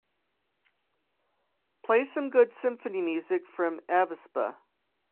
Play some good symphony music from Avispa.